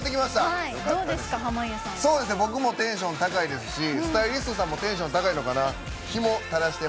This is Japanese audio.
僕もテンション高いですしスタイリストさんもテンション高いのかな？